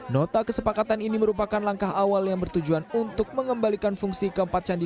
nota kesepakatan ini merupakan langkah awal yang bertujuan untuk mengembalikan fungsi keempat candi